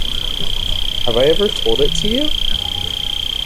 Have I ever told it you?